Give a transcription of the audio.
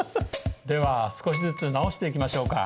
では少しずつ直していきましょうか。